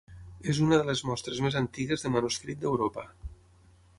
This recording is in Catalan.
És una de les mostres més antigues de manuscrit d'Europa.